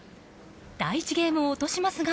第１ゲームを落としますが。